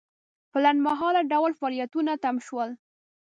په لنډمهاله ډول فعالیتونه تم شول.